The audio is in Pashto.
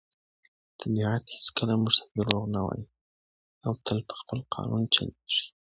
طبیعت هیڅکله موږ ته دروغ نه وایي او تل په خپل قانون چلیږي.